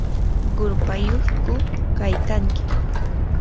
¿qurpayyuqku kaykanki?